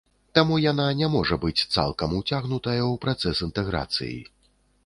Таму яна і не можа быць цалкам уцягнутая ў працэс інтэграцыі.